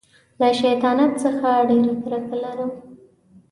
له شیطانت څخه ډېره کرکه لرم.